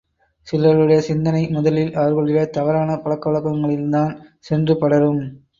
சிலருடைய சிந்தனை முதலில் அவர்களுடைய தவறான பழக்க வழக்கங்களில்தான் சென்று படரும்.